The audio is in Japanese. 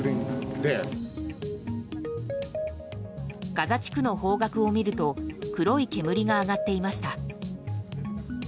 ガザ地区の方角を見ると黒い煙が上がっていました。